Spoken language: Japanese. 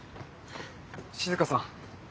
静さん。